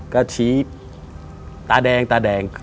ก็ชี้ตาแดงตาแดง